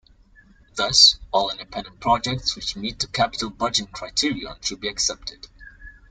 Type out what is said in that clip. Thus, all Independent Projects which meet the Capital Budgeting criterion should be accepted.